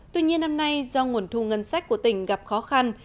tuy nhiên năm nay do nguồn thu ngân sách của tỉnh gặp khó khăn